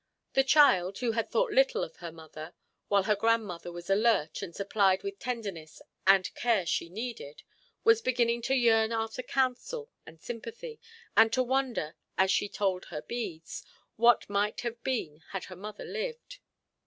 The child, who had thought little of her mother, while her grandmother was alert and supplied the tenderness and care she needed, was beginning to yearn after counsel and sympathy, and to wonder, as she told her beads, what might have been, had that mother lived.